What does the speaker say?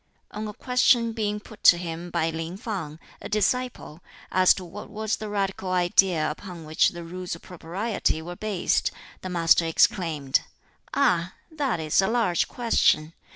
On a question being put to him by Lin Fang, a disciple, as to what was the radical idea upon which the Rules of Propriety were based, the Master exclaimed, "Ah! that is a large question.